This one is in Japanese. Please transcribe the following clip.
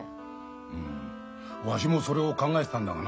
うんわしもそれを考えてたんだがな。